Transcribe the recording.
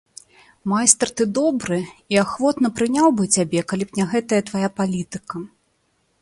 Майстар ты добры, і ахвотна прыняў бы цябе, калі б не гэтая твая палітыка.